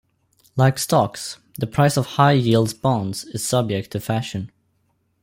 Like stocks, the price of high-yield bonds is subject to fashion.